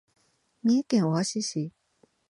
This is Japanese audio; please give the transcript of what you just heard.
三重県尾鷲市